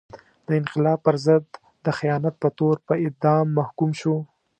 د انقلاب پر ضد د خیانت په تور په اعدام محکوم شو.